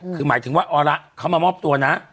คือหมายถึงว่าเอาละเขามามอบตัวนะ